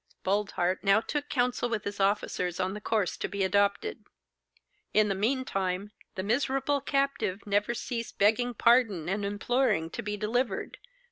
Boldheart now took counsel with his officers on the course to be adopted. In the mean time, the miserable captive never ceased begging pardon and imploring to be delivered.